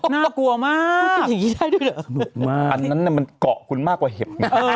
น่ากลัวมากสนุกมากอันนั้นมันเกาะคุณมากกว่าเห็บ